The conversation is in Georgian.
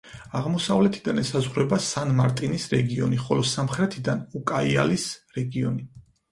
აღმოსავლეთიდან ესაზღვრება სან-მარტინის რეგიონი, ხოლო სამხრეთიდან უკაიალის რეგიონი.